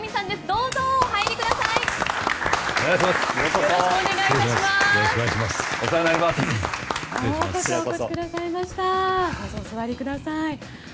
どうぞお座りください。